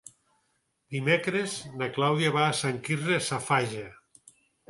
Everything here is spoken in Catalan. Dimecres na Clàudia va a Sant Quirze Safaja.